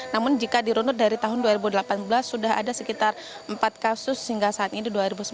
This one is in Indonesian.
namun jika dirunut dari tahun dua ribu delapan belas sudah ada sekitar empat kasus hingga saat ini dua ribu sembilan belas